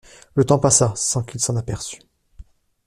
Le temps passa sans qu’il s’en aperçut.